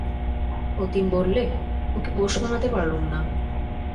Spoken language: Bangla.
অতীন বললে, ওকে পোষ মানাতে পারলুম না।